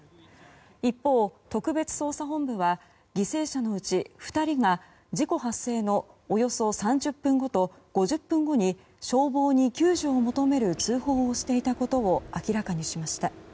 一方、特別捜査本部は犠牲者のうち２人が事故発生のおよそ３０分後と５０分後に消防に、救助を求める通報をしていたことを明らかにしました。